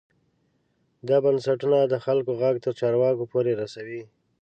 دا بنسټونه د خلکو غږ تر چارواکو پورې رسوي.